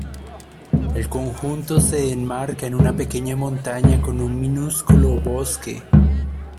El conjunto se enmarca en una pequeña montaña con un minúsculo bosque.